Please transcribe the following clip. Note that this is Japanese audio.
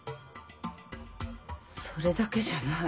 それだけじゃない。